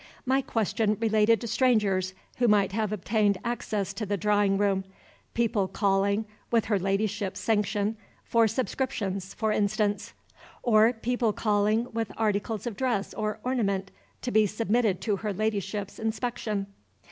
My question related to strangers who might have obtained access to the drawing room people calling, with her Ladyship's sanction, for subscriptions, for instance; or people calling with articles of dress or ornament to be submitted to her Ladyship's inspection."